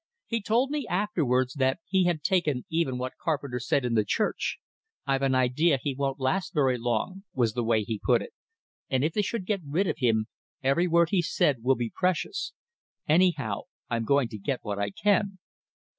He told me afterwards that he had taken even what Carpenter said in the church. "I've an idea he won't last very long," was the way he put it; "and if they should get rid of him, every word he's said will be precious. Anyhow, I'm going to get what I can."